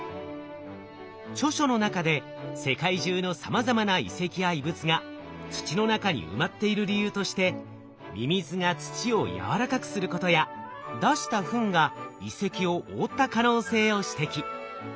著書の中で世界中のさまざまな遺跡や遺物が土の中に埋まっている理由としてミミズが土をやわらかくすることや出したフンが遺跡を覆った可能性を指摘。